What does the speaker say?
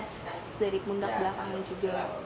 terus dari pundak belakangnya juga